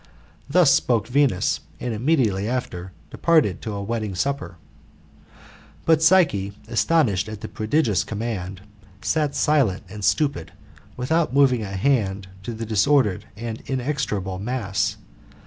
Thus spoke Venus, and immediately after departed to a wedding supper. But Psyche, astonished at the prodigious command, sat silent and stupid, without moving a hand to the disordered and mextricable mass.